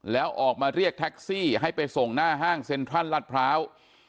แล้วออกมาเรียกแท็กซี่ให้ไปส่งหน้าห้างเซ็นทรัลรัฐพร้าว